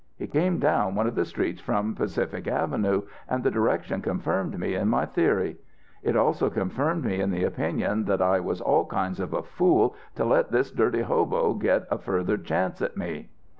He came down one of the streets from Pacific Avenue, and the direction confirmed me in my theory. It also confirmed me in the opinion that I was all kinds of a fool to let this dirty hobo get a further chance at me.